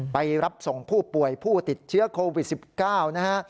ไปรับส่งผู้ป่วยผู้ติดเชื้อโควิด๑๙นะฮะ